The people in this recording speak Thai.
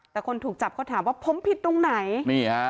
แต่คนถูกจับเขาถามว่าผมผิดตรงไหนนี่ฮะ